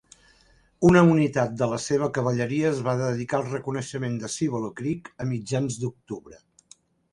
Una unitat de la seva cavalleria es va dedicar al reconeixement de Cibolo Creek a mitjans d'octubre.